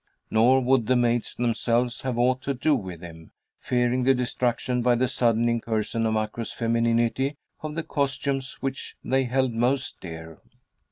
Nor would the maids themselves have aught to do with him, fearing the destruction by the sudden incursion of aqueous femininity of the costumes which they held most dear.